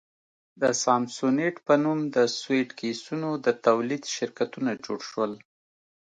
د سامسونیټ په نوم د سویټ کېسونو د تولید شرکتونه جوړ شول.